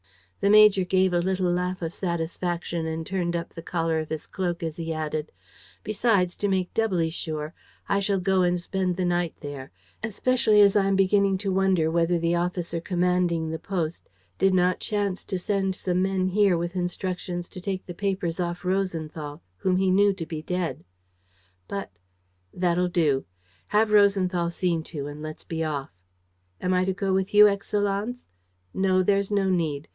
The major gave a little laugh of satisfaction and turned up the collar of his cloak as he added: "Besides, to make doubly sure, I shall go and spend the night there ... especially as I am beginning to wonder whether the officer commanding the post did not chance to send some men here with instructions to take the papers off Rosenthal, whom he knew to be dead." "But ..." "That'll do. Have Rosenthal seen to and let's be off." "Am I to go with you, Excellenz?" "No, there's no need.